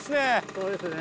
そうですね。